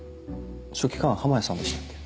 書記官は浜谷さんでしたっけ。